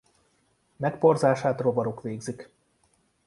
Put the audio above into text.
Megporzását rovarok végzik.